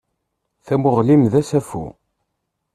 Tamuɣli-m d asafu.